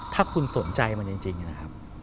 ถ้าคุณสนใจมันจริงนะครับ